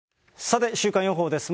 さて、週間予報です。